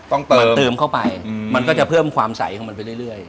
เติมเข้าไปมันก็จะเพิ่มความใสของมันไปเรื่อย